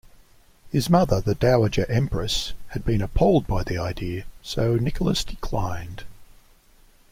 His mother, the dowager empress, had been appalled by the idea, so Nicholas declined.